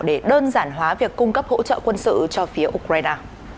để đơn giản hóa việc cung cấp hỗ trợ quân sự cho phía ukraine